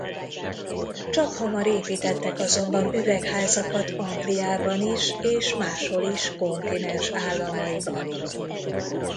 Csakhamar építettek azonban üvegházakat Angliában is és máshol is kontinens államaiban.